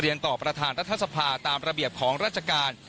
ต่อประธานรัฐสภาตามระเบียบของราชการ